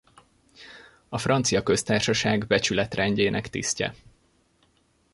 A Francia Köztársaság Becsületrendjének tisztje.